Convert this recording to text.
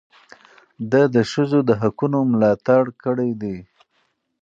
ده د ښځو د حقونو ملاتړ کړی دی.